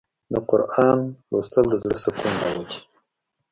د قرآن لوستل د زړه سکون راولي.